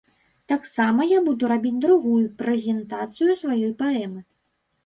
Таксама я буду рабіць другую прэзентацыю сваёй паэмы.